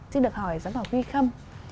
xin được hỏi giám đốc huy khâm